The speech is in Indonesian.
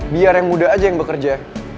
biar yang muda aja yang bekerja